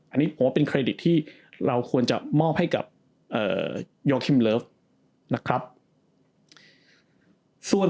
อันนี้ผมว่าเป็นที่เราควรจะมอบให้กับเอ่อนะครับส่วน